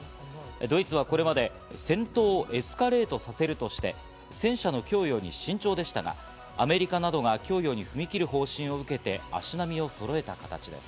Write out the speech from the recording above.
ドイツはこれまで戦闘をエスカレートさせるとして、戦車の供与に慎重でしたが、アメリカなどが供与に踏み切る方針を受けて、足並みをそろえた形です。